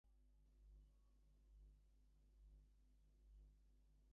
The club currently has a kit deal with Atlanta-based Reto Sports.